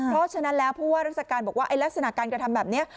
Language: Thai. เพราะฉะนั้นแล้วเพราะว่ารักษาการบอกว่าไอ้ลักษณะการกระทำแบบเนี้ย